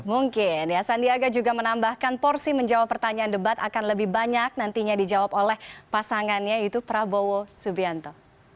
mungkin ya sandiaga juga menambahkan porsi menjawab pertanyaan debat akan lebih banyak nantinya dijawab oleh pasangannya yaitu prabowo subianto